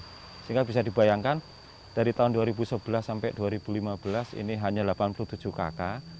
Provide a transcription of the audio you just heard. sehingga bisa dibayangkan dari tahun dua ribu sebelas sampai dua ribu lima belas ini hanya delapan puluh tujuh kakak